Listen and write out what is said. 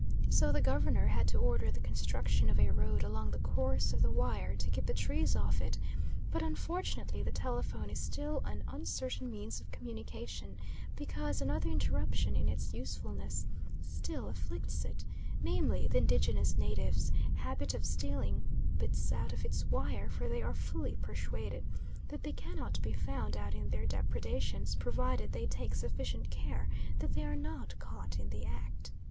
So the Governor had to order the construction of a road along the course of the wire to keep the trees off it, but unfortunately the telephone is still an uncertain means of communication, because another interruption in its usefulness still afflicts it, namely the indigenous natives' habit of stealing bits out of its wire, for they are fully persuaded that they cannot be found out in their depredations provided they take sufficient care that they are not caught in the act.